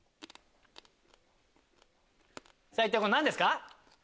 一体これ何ですか？